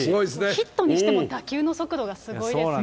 ヒットにしても、打球の速度がすごいですよね。